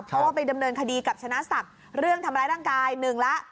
เพราะว่าไปดำเนินคดีกับชนะศักดิ์เรื่องทำร้ายร่างกายหนึ่งละ